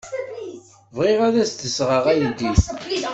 Bɣiɣ ad d-sɣeɣ aydi.